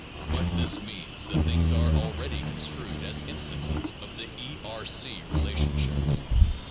But this means that things are already construed as instances of the (E)R° relationship.